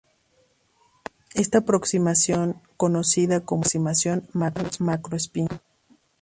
Esta aproximación es conocida como aproximación "macro-spin".